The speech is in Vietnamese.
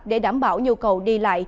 để đảm bảo nhu cầu đi lại